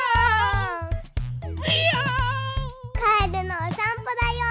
カエルのおさんぽだよ！